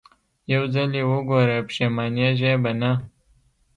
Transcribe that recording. يو ځل يې وګوره پښېمانېږې به نه.